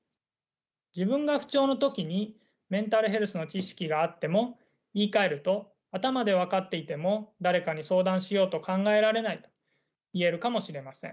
自分が不調の時にメンタルヘルスの知識があっても言いかえると頭で分かっていても誰かに相談しようと考えられないと言えるかもしれません。